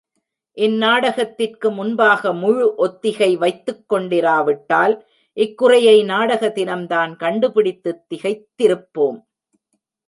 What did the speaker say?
இந்நாடகத்திற்கு முன்பாக முழு ஒத்திகை வைத்துக் கொண்டிராவிட்டால், இக்குறையை நாடக தினம்தான் கண்டுபிடித்துத் திகைத்திருப்போம்!